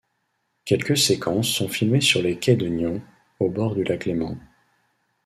Quelques séquences sont filmées sur les quais de Nyon, au bord du lac Léman.